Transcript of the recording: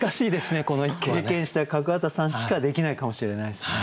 経験した角幡さんしかできないかもしれないですね。